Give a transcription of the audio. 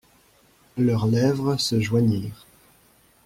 Leurs lèvres se joignirent.